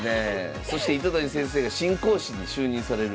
そして糸谷先生が新講師に就任される。